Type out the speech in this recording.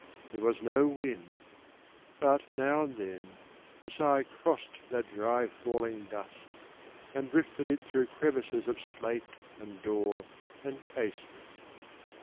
There was no wind, but now and then a sigh Crossed that dry falling dust and rifted it Through crevices of slate and door and casement.